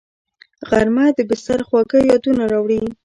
غرمه د بستر خواږه یادونه راوړي